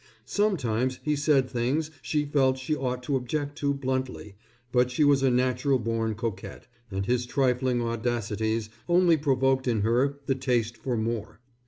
Sometimes he said things she felt she ought to object to bluntly, but she was a natural born coquette, and his trifling audacities only provoked in her the taste for more.